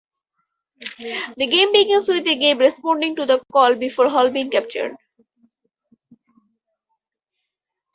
The game begins with Gabe responding to the call, before Hal being captured.